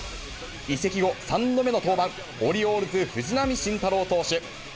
移籍後、３度目の登板、オリオールズ、藤浪晋太郎投手。